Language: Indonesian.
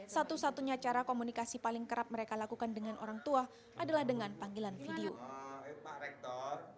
satu satunya cara komunikasi paling kerap mereka lakukan dengan orang tua adalah dengan panggilan video